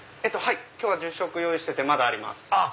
今日は１０食用意しててまだあります。